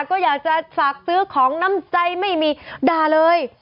ก็อยากจะศักดิ์ซื้อของน้ำใจไม่มีด่าเลย